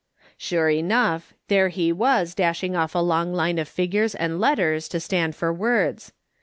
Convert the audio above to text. " Sure enough, there he was dashing off a long line of figures and letters to stand for words.